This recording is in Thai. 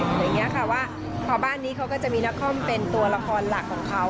อย่างนี้ค่ะว่าพอบ้านนี้เขาก็จะมีนักคอมเป็นตัวละครหลักของเขา